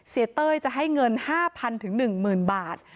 เต้ยจะให้เงิน๕๐๐๑๐๐๐บาท